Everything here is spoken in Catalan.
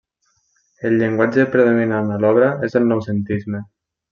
El llenguatge predominant a l'obra és el Noucentisme.